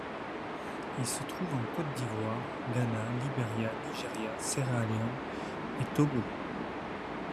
Il se trouve en Côte d'Ivoire, Ghana, Libéria, Nigeria, Sierra Leone et Togo.